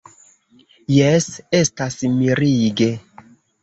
Jes, estas mirige.